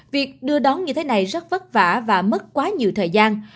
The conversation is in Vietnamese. việc đưa đón như thế này rất vất vả và mất quá nhiều thời gian